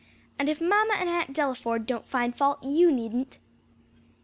And if mamma and Aunt Delaford don't find fault, you needn't."